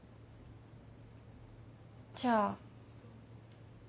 じゃあ。